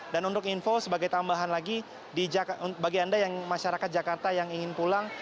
dan untuk info sebagai tambahan lagi bagi anda yang masyarakat jakarta yang ingin pulang